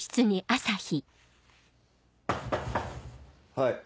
はい。